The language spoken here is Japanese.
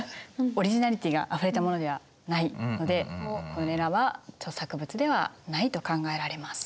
オリジナリティがあふれたものではないのでこれらは著作物ではないと考えられます。